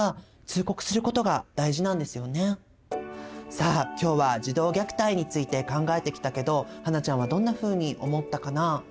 さあ今日は「児童虐待」について考えてきたけど英ちゃんはどんなふうに思ったかな？